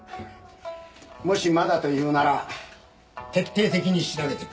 もしまだというなら徹底的に調べてくれ。